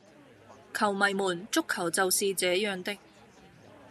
球迷們,足球就是這樣的